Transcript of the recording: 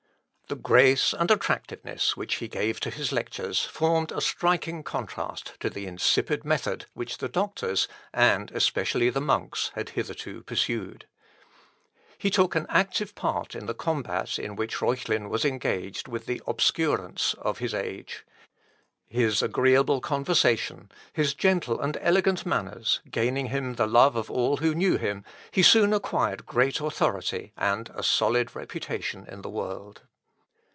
The grace and attractiveness which he gave to his lectures formed a striking contrast to the insipid method which the doctors, and especially the monks, had hitherto pursued. He took an active part in the combat in which Reuchlin was engaged with the Obscurants of his age. His agreeable conversation, his gentle and elegant manners, gaining him the love of all who knew him, he soon acquired great authority, and a solid reputation in the world.